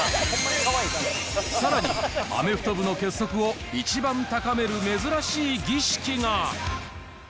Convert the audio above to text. さらに、アメフト部の結束をイチバン高める珍しい儀式が。